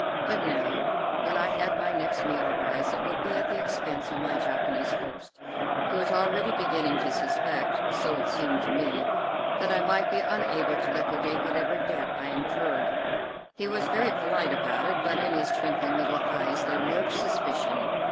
But now, when I had my next meal of rice, it would be at the expense of my Japanese host, who was already beginning to suspect, so it seemed to me, that I might be unable to liquidate whatever debt I incurred. He was very polite about it, but in his twinkling little eyes there lurked suspicion.